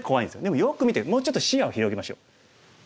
でもよく見てもうちょっと視野を広げましょう。